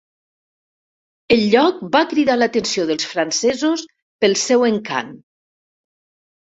El lloc va cridar l'atenció dels francesos pel seu encant.